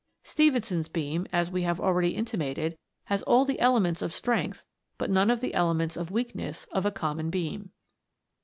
Stephenson's beam, as we have already intimated, has all the elements of strength, but none of the elements of weakness of a common beam.